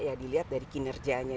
ya dilihat dari kinerjanya